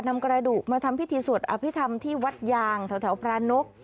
นำกระดูกมาทำพิธีสวดอภิษฐรรมที่วัดยางแถวพระนก